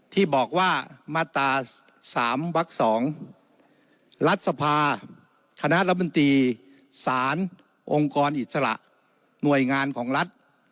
ที่บอกว่ามาตรา๓วัก๒รัฐสภาคณะรัฐมนตรีสารองค์กรอิสระหน่วยงานของรัฐ